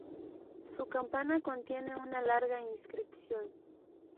Su campana contiene una larga inscripción.